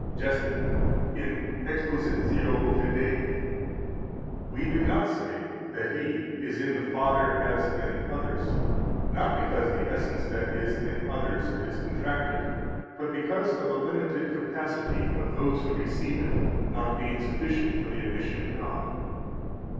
165 JUSTIN, in Expositio Fidei, p. 182 [f. 389, ed. Colon., 1686 : "We do not say that He is in the Father as in others; not because the essence that is in others is contracted, but because of the limited capacity of those who receive it not being sufficient for the admission of God."